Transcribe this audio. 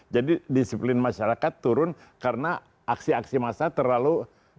jadi disiplin masyarakat turun karena aksi aksi massa terlalu